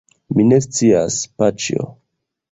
Mi ne scias, paĉjo.